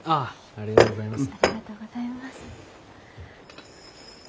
ありがとうございます。